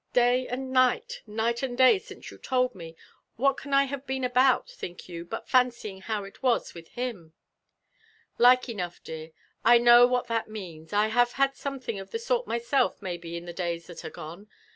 Day and night, night and day since you told me, what can I have been about, ihink you, but fancying how it was with him?" "Like enough, dear; I know what that means r I have had some thing of the sort myself maybe in tlie days that are gone.